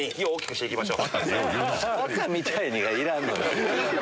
「バカみたいに」がいらんのよ。